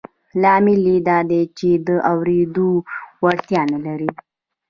لامل یې دا دی چې د اورېدو وړتیا نه لري